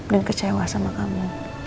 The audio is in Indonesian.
dan kecewa sama kamu